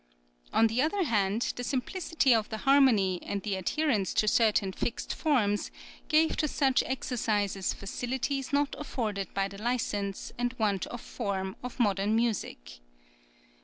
On the other hand, the simplicity of the harmony, and the adherence to certain fixed forms, gave to such exercises facilities not afforded by the license and want of form of modern music.